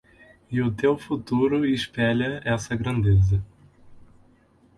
E o teu futuro espelha essa grandeza